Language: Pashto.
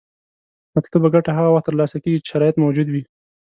مطلوبه ګټه هغه وخت تر لاسه کیږي چې شرایط موجود وي.